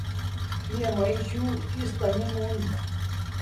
پیا میشو کس تا نی مونا